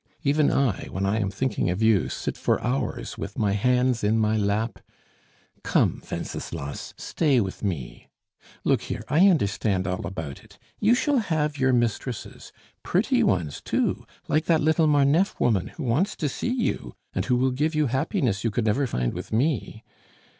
Even I, when I am thinking of you, sit for hours with my hands in my lap "Come, Wenceslas, stay with me. Look here, I understand all about it; you shall have your mistresses; pretty ones too, like that little Marneffe woman who wants to see you, and who will give you happiness you could never find with me.